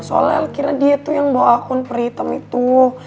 soalnya el kira dia tuh yang bawa akun peritem itu